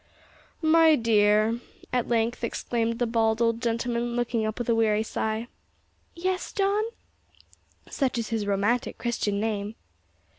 "My dear," at length exclaimed the bald old gentleman, looking up with a weary sigh. "Yes, John?" (Such is his romantic Christian name!)